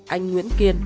anh nguyễn kiên